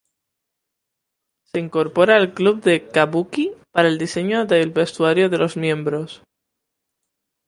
Se incorpora al club de kabuki para el diseño del vestuario del los miembros.